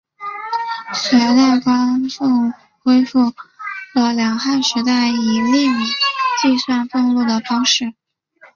隋代官俸恢复了两汉时期以粟米计算俸禄的方式。